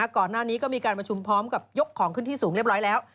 ก่อนหน้านี้ก็มีการประชุมพร้อมกับยกของขึ้นที่สูงเรียบร้อยแล้ว